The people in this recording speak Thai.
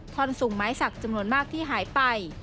ท่อนสูงไม้สักจำนวนมากที่หายไป